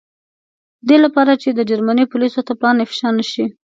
د دې له پاره چې د جرمني پولیسو ته پلان افشا نه شي.